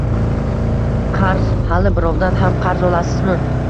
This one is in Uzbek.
Qarz? Hali birovdan qarz ham olasizmi?